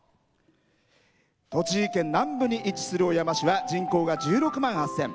栃木県南部に位置する小山市は人口が１６万８０００。